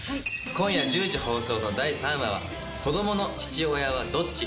今夜１０時放送の第３話は、子どもの父親はどっち？